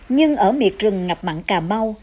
nhưng ở miệt rừng ngập mặn cà mau